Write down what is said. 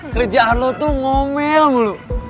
kerjaan lo tuh ngomel mulu